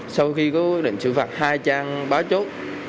sau khi có quyết định xử phạt hai trang ba chốt